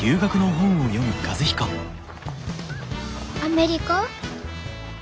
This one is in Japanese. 「アメリカ」？